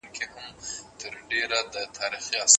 ناروغانو ته کوم ډول خواړه ورکول کیږي؟